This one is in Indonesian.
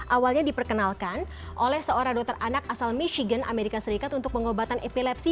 awalnya diperkenalkan oleh seorang dokter anak asal michigan amerika serikat untuk pengobatan epilepsi